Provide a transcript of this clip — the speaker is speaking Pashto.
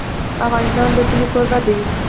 افغانستان د کلي کوربه دی.